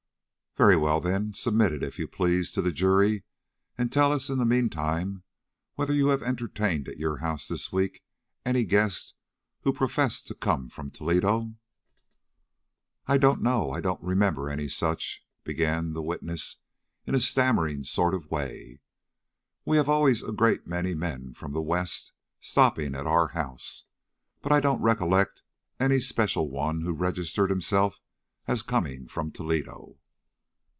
"Very well, then, submit it, if you please, to the jury, and tell us in the meantime whether you have entertained at your house this week any guest who professed to come from Toledo?" "I don't know. I don't remember any such," began the witness, in a stammering sort of way. "We have always a great many men from the West stopping at our house, but I don't recollect any special one who registered himself as coming from Toledo."